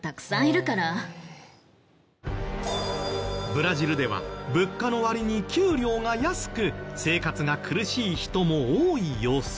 ブラジルでは物価の割に給料が安く生活が苦しい人も多い様子。